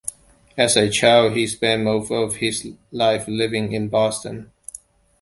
As a child he spent most of his life living in Boston.